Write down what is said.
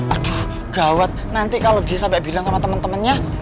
aduh gawat nanti kalau dia sampai bilang sama temen temennya